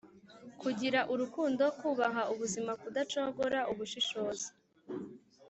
kugira urukundo, kubaha ubuzima ,kudacogora, ubushishozi